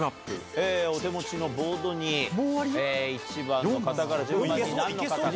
お手持ちのボードに１番の方から順番に何の方か。